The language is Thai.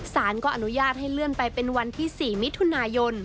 สารก็อนุญาตให้เลื่อนไปเป็นวันที่๔มิถุนายน